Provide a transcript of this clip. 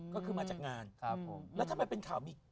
ก็คือมาจากงานครับผมแล้วทำไมเป็นข่าวมี